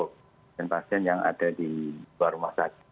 pasien pasien yang ada di luar rumah sakit